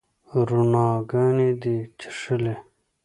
روڼاګاني دي چیښلې